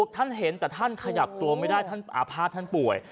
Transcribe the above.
ท่านเห็นแต่ท่านขยับไม่ได้อาพาทท่านผ่วย